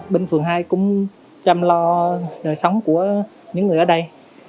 bên phường hai cũng chăm lo đời sống của những người ở đây